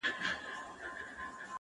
خلکو مړي ښخول په هدیرو کي٫